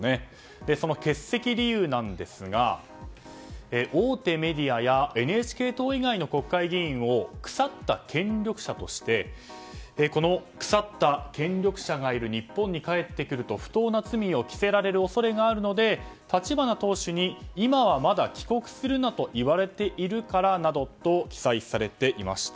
その欠席理由ですが大手メディアやＮＨＫ党以外の国会議員を腐った権力者としてこの腐った権力者がいる日本に帰ってくると不当な罪を着せられる恐れがあるので立花党首に今はまだ帰国するなと言われているからなどと記載されていました。